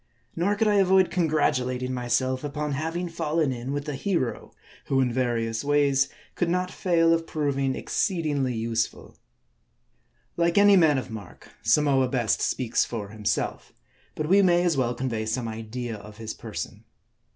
Nor could I avoid congratulating myself, upon having fallen in with a hero, who in various ways, could not fail of proving exceed ingly useful. Like any man of mark, Samoa best speaks for himself; but we may as well convey some idea of his person.